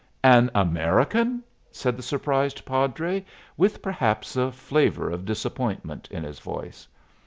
"An American!" said the surprised padre, with perhaps a flavor of disappointment in his voice.